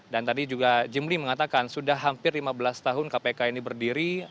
dan tadi juga jimli mengatakan sudah hampir lima belas tahun kpk ini berdiri